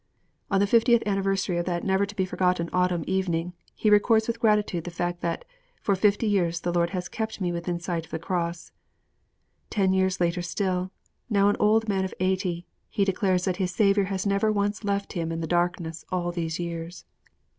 On the fiftieth anniversary of that never to be forgotten autumn evening, he records with gratitude the fact that, 'for fifty years the Lord has kept me within sight of the Cross.' Ten years later still, now an old man of eighty, he declares that his Saviour has never once left him in the darkness all these years.